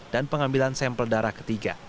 dan pengambilan sampel darah ketiga